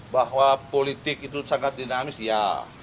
bahwa politik itu sangat dinamis ya